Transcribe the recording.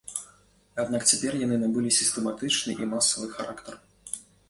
Аднак цяпер яны набылі сістэматычны і масавы характар.